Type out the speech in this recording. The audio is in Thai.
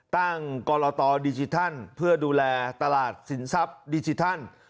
กรตดิจิทัลเพื่อดูแลตลาดสินทรัพย์ดิจิทัล